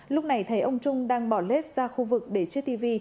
lúc này thấy ông trung đang bỏ lết ra khu vực để chiếc tivi